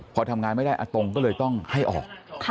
พอทำงานไม่ได้อาตงก็เลยต้องให้ออก